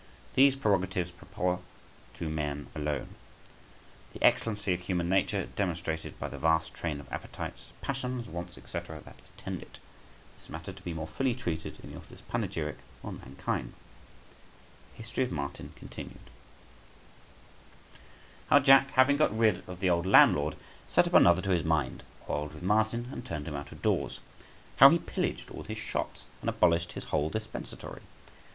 These prerogatives proper to man alone. The excellency of human nature demonstrated by the vast train of appetites, passions, wants, &c., that attend it. This matter to be more fully treated in the author's panegyric on mankind. THE HISTORY OF MARTIN—Continued. How Jack, having got rid of the old landlord, set up another to his mind, quarrelled with Martin, and turned him out of doors. How he pillaged all his shops, and abolished his whole dispensatory.